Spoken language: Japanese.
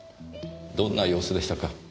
どんな様子でしたか？